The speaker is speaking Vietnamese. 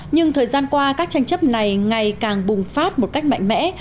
nhưng thời gian qua các tranh chấp này ngày càng bùng phát một cách mạnh mẽ